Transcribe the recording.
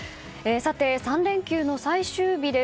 さて、３連休の最終日です。